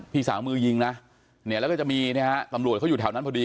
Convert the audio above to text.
พี่สาวมือยิงนะเนี่ยแล้วก็จะมีเนี่ยฮะตำรวจเขาอยู่แถวนั้นพอดี